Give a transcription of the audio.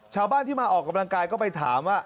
ชาวบ้านที่มาออกกำลังกายก็ไปถามว่า